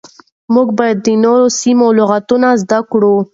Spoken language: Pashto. موږ بايد د نورو سيمو له لغتونو زده کړو.